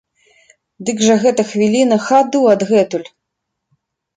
Дык жа гэта хвіліна хаду адгэтуль!